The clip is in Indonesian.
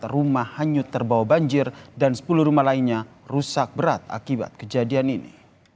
empat rumah hanyut terbawa banjir dan sepuluh rumah lainnya rusak berat akibat kejadian ini